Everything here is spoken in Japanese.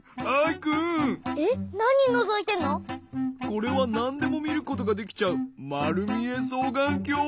これはなんでもみることができちゃうまるみえそうがんきょう。